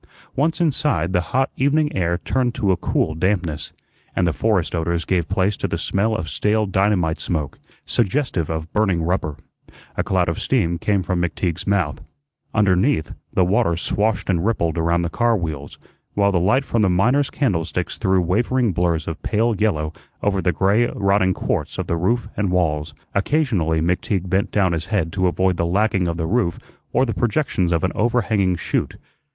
Once inside, the hot evening air turned to a cool dampness, and the forest odors gave place to the smell of stale dynamite smoke, suggestive of burning rubber. A cloud of steam came from McTeague's mouth; underneath, the water swashed and rippled around the car wheels, while the light from the miner's candlesticks threw wavering blurs of pale yellow over the gray rotting quartz of the roof and walls. Occasionally McTeague bent down his head to avoid the lagging of the roof or the projections of an overhanging shute.